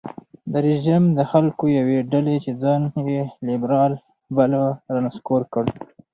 دا رژیم د خلکو یوې ډلې چې ځان یې لېبرال باله رانسکور کړ.